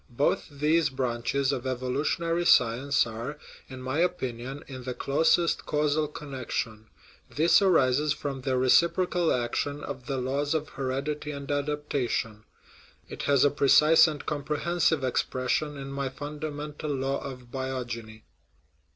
Both these branches of evolutionary science are, in my opin ion, in the closest causal connection ; this arises from the reciprocal action of the laws of heredity and adap tation ; it has a precise and comprehensive expression in my * fundamental law of biogeny."